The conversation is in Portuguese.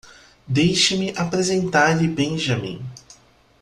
Deixe-me apresentar-lhe Benjamin.